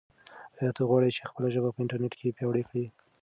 آیا ته غواړې چې خپله ژبه په انټرنیټ کې پیاوړې کړې؟